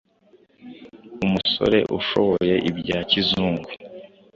Umusore ushoboye ibya kizungu